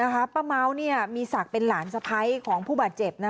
ป้าเม้ามีศักดิ์เป็นหลานสะพ้ายของผู้บาดเจ็บ